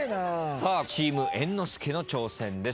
さあチーム猿之助の挑戦です。